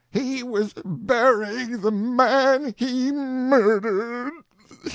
_He was burying the man he'd murdered!